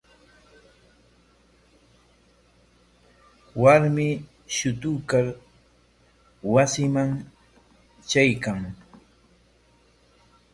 Warmi shutuykar wasinman traykan.